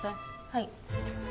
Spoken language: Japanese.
はい。